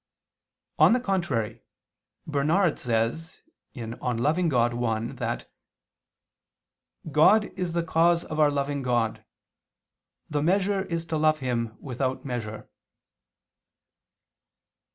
On the contrary, Bernard says (De Dilig. Deum 1) that "God is the cause of our loving God; the measure is to love Him without measure."